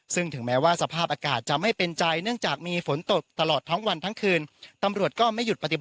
ซึ่งถึงแม้ว่าสภาพอากาศจะไม่เป็นใจ